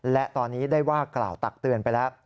และตอนนี้ได้ว่ากล่าวตักเตือนไปแล้ว